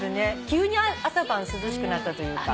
急に朝晩涼しくなったというか。